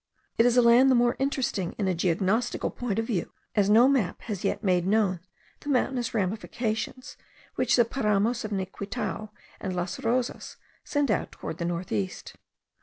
It is a land the more interesting in a geognostical point of view, as no map has yet made known the mountainous ramifications which the paramos of Niquitao and Las Rosas send out towards the north east.